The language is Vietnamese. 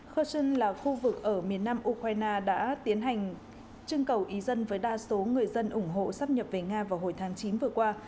kherson là khu vực ở miền nam ukraine đã tiến hành trưng cầu ý dân với đa số người dân ủng hộ sắp nhập về nga vào hồi tháng chín vừa qua